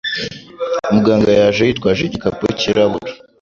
Muganga yaje yitwaje igikapu cyirabura.